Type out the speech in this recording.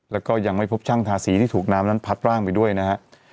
แล้วก็ยังไม่พบช่างทาสีที่ถูกน้ำนั้นพัดร่างไปด้วยนะฮะ